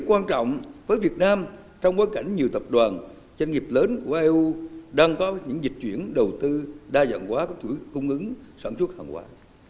quan trọng với việt nam trong bối cảnh nhiều tập đoàn doanh nghiệp lớn của eu đang có những dịch chuyển đầu tư đa dạng hóa các chuỗi cung ứng sản xuất hàng hóa